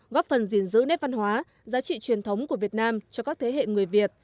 góp phần gìn giữ nét văn hóa giá trị truyền thống của việt nam cho các thế hệ người việt